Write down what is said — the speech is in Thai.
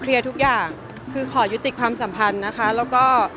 เพื่อจะให้เรื่องมันจบอีกสิ่งกว่าเดิม